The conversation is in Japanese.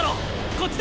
こっちだ！